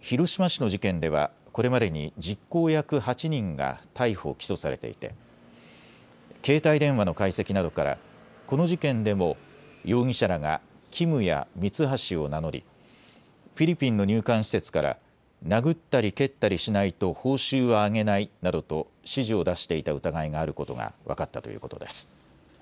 広島市の事件では、これまでに実行役８人が逮捕・起訴されていて携帯電話の解析などからこの事件でも容疑者らがキムやミツハシを名乗りフィリピンの入管施設から殴ったり、蹴ったりしないと報酬はあげないなどと指示を出していた疑いがあることが分かったということです。